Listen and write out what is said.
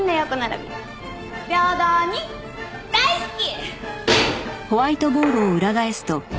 平等に大好き！